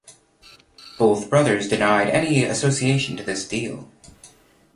Both brothers denied any association to this deal.